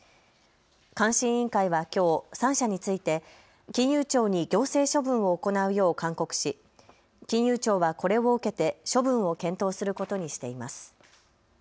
監視委員会はきょう３社について金融庁に行政処分を行うよう勧告し金融庁はこれを受けて処分を検討することにしています。